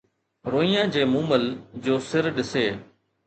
روئيان جي مومل جو سر ڏسي